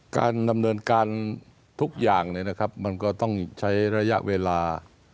การดำเนินการทุกอย่างมันก็ต้องใช้ระยะเวลา